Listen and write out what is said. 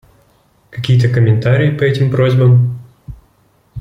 Какие-то комментарии по этим просьбам?